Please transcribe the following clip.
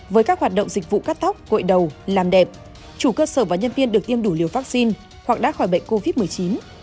với các hoạt động dịch vụ cắt tóc gội đầu làm đẹp chủ cơ sở và nhân viên được tiêm đủ liều vaccine hoặc đã khỏi bệnh covid một mươi chín